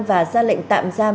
và ra lệnh tạm giam